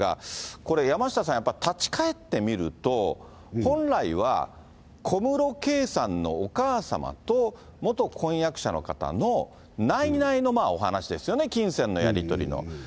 これ、山下さん、やっぱり立ち返ってみると、本来は、小室圭さんのお母様と、元婚約者の方の内々のお話ですよね、金銭のやり取りの。